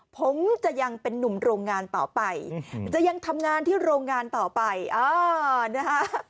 ผมจะยังเป็นนุ่มโรงงานต่อไปจะยังทำงานที่โรงงานต่อไปอ่านะฮะ